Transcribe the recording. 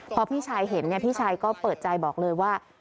พอพี่ชายเห็นพี่ชายก็เปิดใจบอกเลยว่า